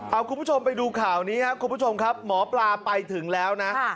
เอาคุณผู้ชมไปดูข่าวนี้ครับคุณผู้ชมครับหมอปลาไปถึงแล้วนะ